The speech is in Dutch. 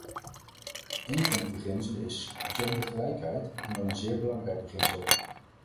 Een van die beginselen is gendergelijkheid, en wel een zeer belangrijk beginsel.